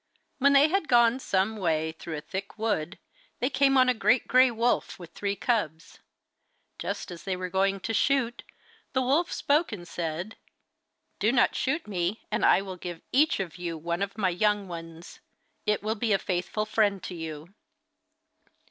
When they had gone some way through a thick wood they came on a great grey wolf with three cubs. Just as they were going to shoot, the wolf spoke and said, 'Do not shoot me, and I will give each of you one of my young ones. It will be a faithful friend to you.